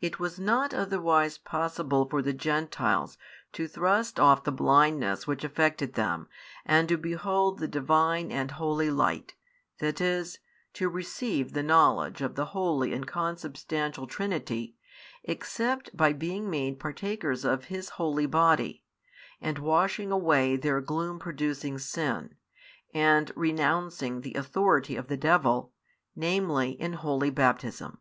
It was not otherwise possible for the Gentiles to thrust off the blindness which affected them, and to behold the Divine and holy light, that is, to receive the knowledge of the Holy and Consubstantial Trinity, except by being made partakers of His Holy Body, and washing away their gloom producing sin, and renouncing the authority of the devil, namely in Holy Baptism.